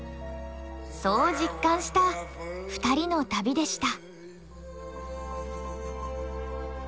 そう実感した２人の旅でした。